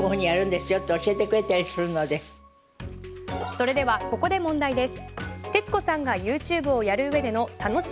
それではここで問題です。